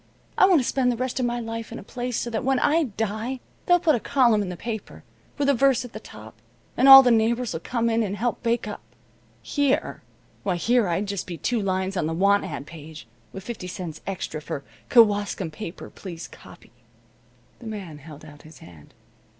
I want to spend the rest of my life in a place so that when I die they'll put a column in the paper, with a verse at the top, and all the neighbors'll come in and help bake up. Here why, here I'd just be two lines on the want ad page, with fifty cents extra for 'Kewaskum paper please copy.'" The man held out his hand.